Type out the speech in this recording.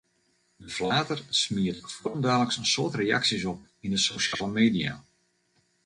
De flater smiet fuortendaliks in soad reaksjes op yn de sosjale media.